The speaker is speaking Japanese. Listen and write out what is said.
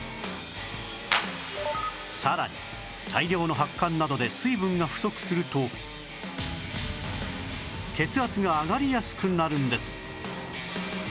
さらに大量の発汗などで水分が不足すると血圧が上がりやすくなるんです